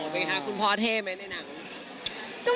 ไหมคะคุณพ่อเท่ไหมในหนัง